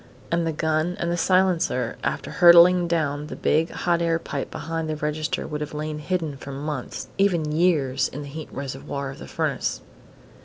And the gun and silencer, after hurtling down the big hot air pipe behind the register, could have lain hidden for months, even years, in the heat reservoir of the furnace.